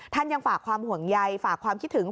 ยังฝากความห่วงใยฝากความคิดถึง